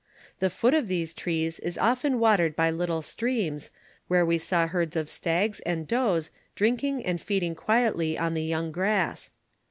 The foot of these trees is often watered by little streams, where we saw herds of stags and does drinking and feeding quietly on the young grass.